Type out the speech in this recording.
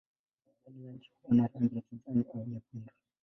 Majani yake huwa na rangi ya kijani au nyekundu.